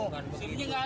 sini gak ada sini gak ada